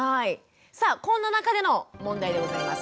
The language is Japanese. さあこんな中での問題でございます。